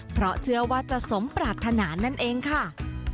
เพราะเชื่อว่าจะสมปรารถนานั่นเองค่ะ